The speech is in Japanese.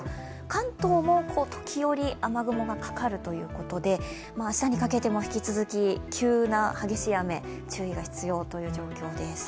関東も時折、雨雲がかかるということで、明日にかけても引き続き急な激しい雨に注意が必要ということです。